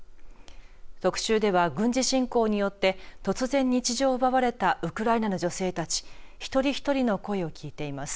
特集では軍事侵攻によって突然日常を奪われたウクライナの女性たち一人一人の声を聞いています。